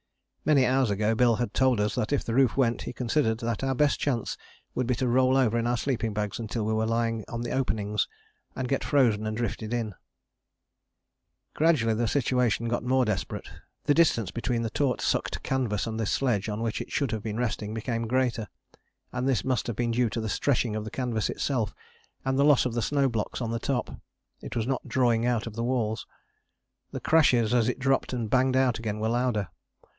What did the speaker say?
Many hours ago Bill had told us that if the roof went he considered that our best chance would be to roll over in our sleeping bags until we were lying on the openings, and get frozen and drifted in. Gradually the situation got more desperate. The distance between the taut sucked canvas and the sledge on which it should have been resting became greater, and this must have been due to the stretching of the canvas itself and the loss of the snow blocks on the top: it was not drawing out of the walls. The crashes as it dropped and banged out again were louder.